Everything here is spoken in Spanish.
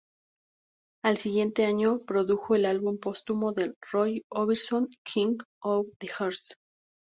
Al siguiente año, produjo el álbum póstumo de Roy Orbison "King of Hearts".